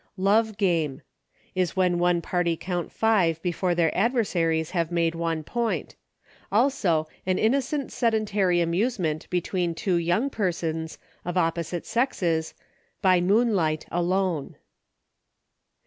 Love Game. Is when one party count five before their adversaries have made one point. Also, an innocent sedentary amusement be tween two young persons, of opposite sexes, "by moonlight alone."